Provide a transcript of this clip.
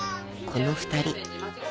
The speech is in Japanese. この２人］